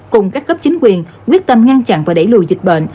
cùng các cấp chính quyền quyết tâm ngăn chặn và đẩy lùi dịch bệnh